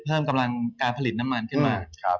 เพิ่มกำลังการผลิตน้ำมันขึ้นมา